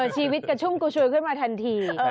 ชีวิตกับชุมกุชลขึ้นมาทันที